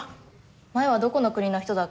前はどこの国の人だっけ？